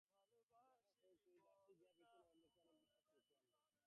যাহা হউক, এই দাসী গিয়া ভীত নরেন্দ্রকে অনেক আশ্বাস দিয়া ডাকিয়া আনিল।